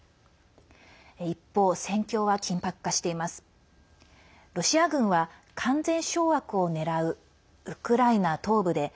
一方、戦況は緊迫化しています。